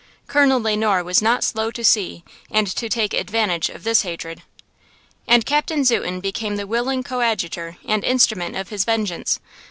Colonel Le Noir was not slow to see and to take advantage of this hatred. And Captain Zuten became the willing coadjutor and instrument of his vengeance.